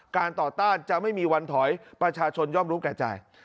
การต่อต้านจะไม่มีวันถอยประชาชนย่อมรู้แก่ใจ